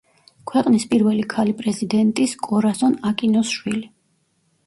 ქვეყნის პირველი ქალი პრეზიდენტის კორასონ აკინოს შვილი.